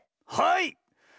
はい！